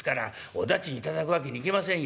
お駄賃頂くわけにいきませんよ」。